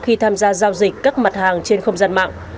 khi tham gia giao dịch các mặt hàng trên không gian mạng